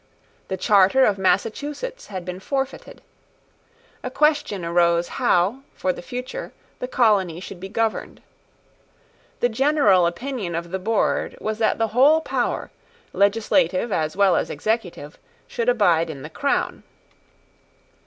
The charter of Massachusetts had been forfeited. A question arose how, for the future, the colony should be governed. The general opinion of the board was that the whole power, legislative as well as executive, should abide in the crown.